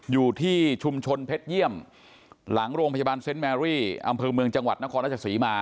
อยู่ที่ชุมชนเพชรเยี่ยมหลังโรงพยาบาลเซ็นต์แมรี่อำเภอเมืองจังหวัดนครราชศรีมา